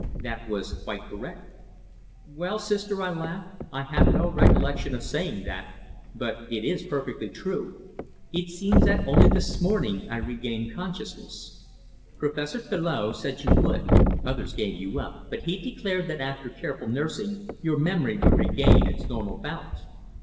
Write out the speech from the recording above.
That was quite correct. "Well, Sister," I laughed. "I have no recollection of saying that, but it is perfectly true. It seems that only this morning I regained consciousness." "Professor Thillot said you would. Others gave you up, but he declared that after careful nursing your memory would regain its normal balance."